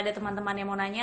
ada teman teman yang mau nanya